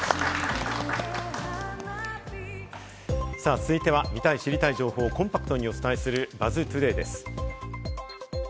続いては、見たい知りたい情報をコンパクトにお伝えするＢＵＺＺトゥデイです。